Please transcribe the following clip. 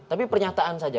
tapi pernyataan saja